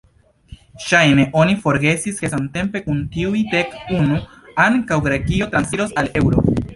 Ŝajne oni forgesis ke samtempe kun tiuj dek unu, ankaŭ Grekio transiros al eŭro.